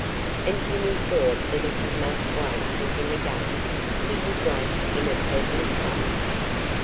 And Jimmy thought that if he must wait for him again he would wait in a pleasant place.